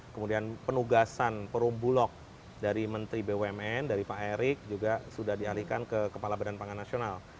kemudian penugasan perumbulok dari menteri bumn dari pak erik juga sudah dialihkan ke kepala badan pangan nasional